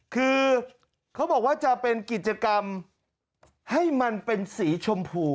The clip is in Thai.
คือเขาบอกว่าจะเป็นกิจกรรมให้มันเป็นสีชมพู